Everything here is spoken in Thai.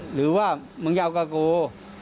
หรือว่ามึงจะเอากะกู